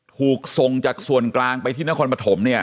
ถูกทรงจากส่วนกลางไปที่นครปฐม